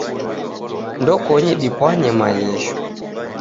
Ndokonyi dipwanye maghesho.